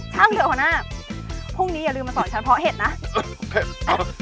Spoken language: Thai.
ช่างเดี๋ยวหัวหน้าพรุ่งนี้อย่าลืมมาสอนฉันเพราะเหตุนะ